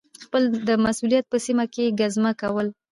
خپل د مسؤلیت په سیمه کي ګزمه کول